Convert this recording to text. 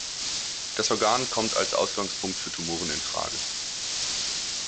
Das Organ kommt als Ausgangspunkt für Tumoren in Frage.